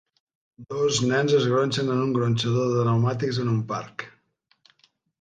Dos nens es gronxen en un gronxador de neumàtics en un parc.